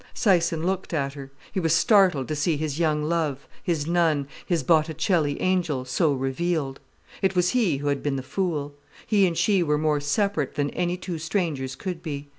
Syson looked at her. He was startled to see his young love, his nun, his Botticelli angel, so revealed. It was he who had been the fool. He and she were more separate than any two strangers could be.